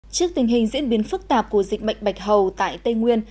trước tình hình diễn biến phức tạp của dịch bệnh bạch hầu tại tây nguyên